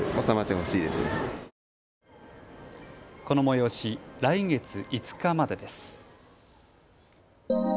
この催し、来月５日までです。